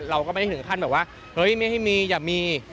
เราก็ไม่ได้ถึงขั้นแบบว่าเฮ้ยไม่ให้มีอย่ามี